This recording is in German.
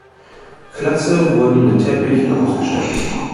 Klasse wurden mit Teppichen ausgestattet.